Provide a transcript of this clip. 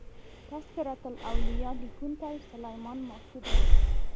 " تذکرة الاولیا" لیکونکی سلیمان ماکو دﺉ.